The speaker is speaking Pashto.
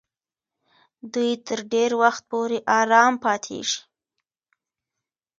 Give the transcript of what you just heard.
دوی تر ډېر وخت پورې آرام پاتېږي.